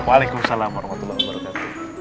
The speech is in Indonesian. waalaikumsalam warahmatullahi wabarakatuh